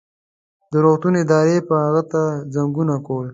د روغتون ادارې به هغه ته زنګونه کول.